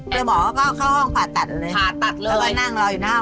ผลการผ่าตัดคุณหมอออกมาเหมือนในหนังไหม